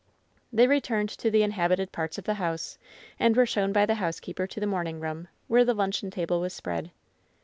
They returned to the inhabited parts of the house, and were shown, by the housekeeper to the morning room, where the luncheon table was spread.